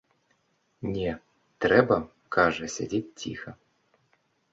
Не, трэба, кажа, сядзець ціха.